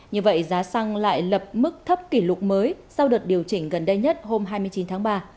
như vậy giá xăng lại lập mức thấp kỷ lục mới sau đợt điều chỉnh gần đây nhất hôm hai mươi chín tháng ba